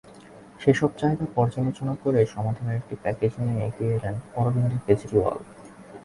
সেসব চাহিদা পর্যালোচনা করেই সমাধানের একটি প্যাকেজ নিয়ে এগিয়ে এলেন অরবিন্দ কেজরিওয়াল।